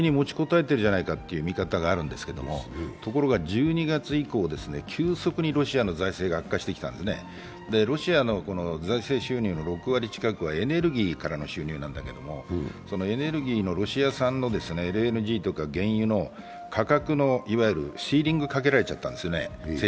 意外に持ちこたえてるじゃないかという見方があるんですが、１２月以降急速にロシアの財政が悪化してきたので、ロシアの主な収入はエネルギーからの収入なんだけども、ロシア産のＬＮＧとか原油の価格のシーリングをかけられちゃったんですすね。